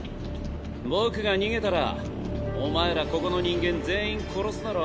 僕が逃げたらお前らここの人間全員殺すだろ？